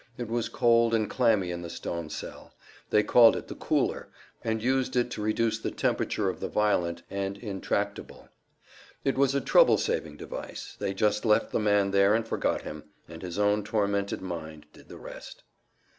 It was cold and clammy in the stone cell; they called it the "cooler," and used it to reduce the temperature of the violent and intractable. It was a trouble saving device; they just left the man there and forgot him, and his own tormented mind did the rest.